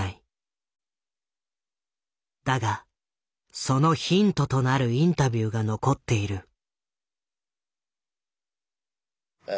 だがそのヒントとなるインタビューが残っている。